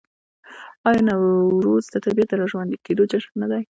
آیا نوروز د طبیعت د راژوندي کیدو جشن نه دی؟